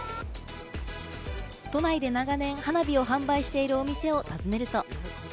都内で長年花火を販売しているお店を訪ねると。